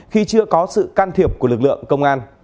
khi chưa có sự can thiệp của lực lượng công an